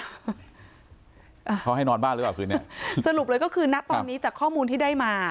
อ่าเขาให้นอนบ้านหรือเปล่าคืนเนี้ยสรุปเลยก็คือณตอนนี้จากข้อมูลที่ได้มา